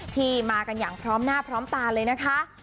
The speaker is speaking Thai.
ที่มากันอย่างพร้อมหน้าพร้อมตาเลยนะคะ